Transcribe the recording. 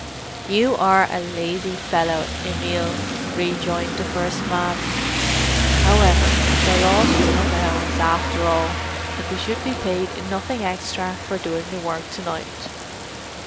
"You are a lazy fellow, Emil," rejoined the first man. "However, the loss is not ours, after all, and we should be paid nothing extra for doing the work to night.